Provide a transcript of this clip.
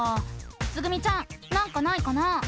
つぐみちゃんなんかないかな？